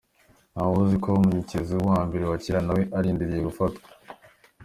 Ntawuzi ko uwo mukenyezi wa mbere wa kera nawe arindiriye gufatwa.